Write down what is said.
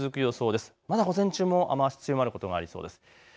まだ午前中も雨足、強まることがありそうです。